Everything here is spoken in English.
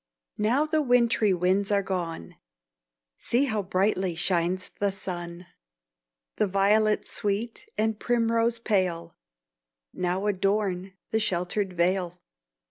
Now the wintry winds are gone, See how brightly shines the sun; The violet sweet and primrose pale, Now adorn the shelter'd vale.